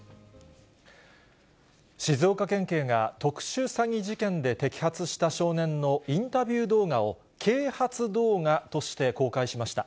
静岡県警が特殊詐欺事件で摘発した少年のインタビュー動画を、啓発動画として公開しました。